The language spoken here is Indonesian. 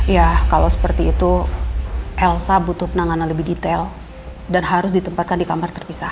ya kalau seperti itu elsa butuh penanganan lebih detail dan harus ditempatkan di kamar terpisah